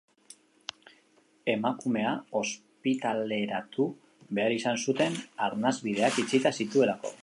Emakumea ospitaleratu behar izan zuten, arnasbideak itxita zituelako.